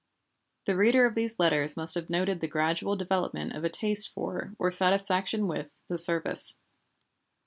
The reader of these letters must have noted the gradual development of a taste for or satisfaction with the service.